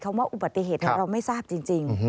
เราไม่ทราบจริง